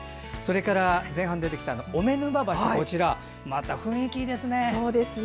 前半に出てきた小目沼橋も雰囲気いいですね。